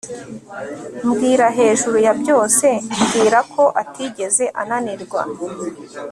Mbwira hejuru ya byose mbwira ko atigeze ananirwa